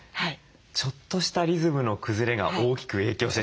ちょっとしたリズムの崩れが大きく影響してしまう。